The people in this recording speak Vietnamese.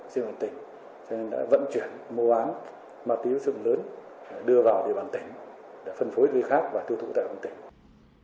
cho nên đã vận chuyển mô án ma túy sức lớn đưa vào địa bàn tỉnh để phân phối với khác và thu thụ tại đoàn tỉnh